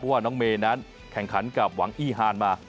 ว่าน้องเมย์นั้นแข่งขันกับหวังอี้ฮานมา